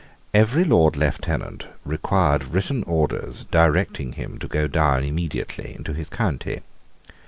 Every Lord Lieutenant received written orders directing him to go down immediately into his county.